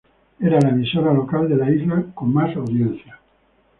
Era la emisora local de la isla con más audiencia.